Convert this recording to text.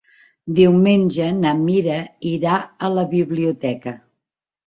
Diumenge na Mira irà a la biblioteca.